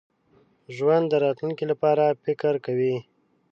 ژوندي د راتلونکي لپاره فکر کوي